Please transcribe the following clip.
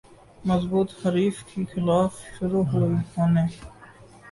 ضبوط حریف کے خلاف شروع ہونے